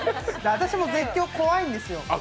私も絶叫、怖いんですよ。